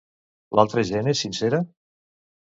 L'altra gent és sincera?